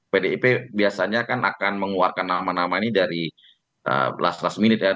pdip biasanya kan akan mengeluarkan nama nama ini dari belas militer